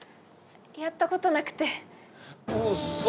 やったことなくて。